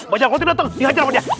bajak lautnya dateng dihajar sama dia